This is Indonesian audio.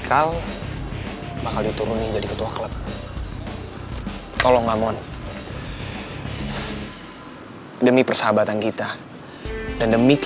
kalau ada yang mau dibertanding